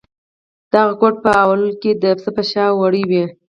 دغه کوټ په لومړیو کې د پسه په شا وړۍ وې.